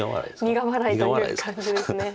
苦笑いという感じですね。